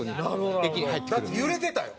だって揺れてたよ。